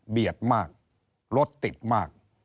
เบียดมากรถติดมาก